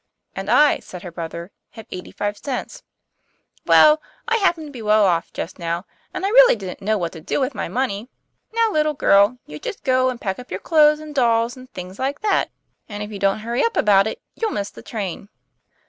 "And I," said her brother, "have eighty five cents." 'Well, I happen to be well off just now, and I really didn't know what to do with my money. Now, little girl, you just go and pack up your clothes and dolls and things like that; and if you don't hurry up about it you'll miss the train."